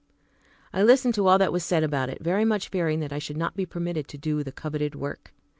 I listened to all that was said about it, very much fearing that I should not be permitted to do the coveted work.